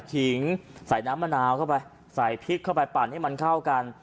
ขิงใส่น้ำมะนาวเข้าไปใส่พริกเข้าไปปั่นให้มันเข้ากัน